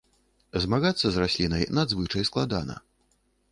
Змагацца з раслінай надзвычай складана.